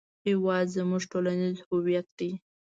هېواد زموږ ټولنیز هویت دی